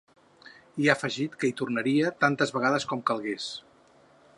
I ha afegit que hi tornaria tantes vegades com calgués.